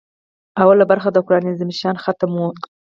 لومړۍ برخه د قران عظیم الشان ختم و.